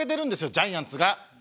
ジャイアンツが！